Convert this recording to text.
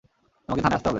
তোমাকে থানায় আসতে হবে।